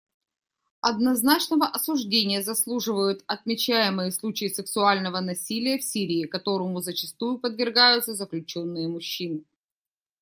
Однозначного осуждения заслуживают отмечаемые случаи сексуального насилия в Сирии, которому зачастую подвергаются заключенные-мужчины.